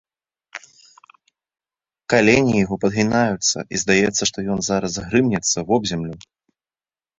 Калені яго падгінаюцца, і здаецца, што ён зараз грымнецца вобземлю.